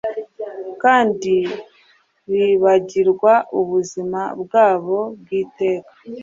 Kandi bibagirwa ubuzima bwabo bw'iteka